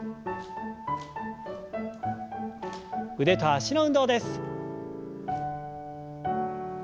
腕と脚の運動です。